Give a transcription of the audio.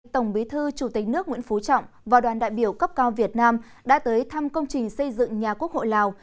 tổng bí thư chủ tịch nước nguyễn phú trọng và đoàn đại biểu cấp cao việt nam đã tới thăm công trình xây dựng nhà quốc hội lào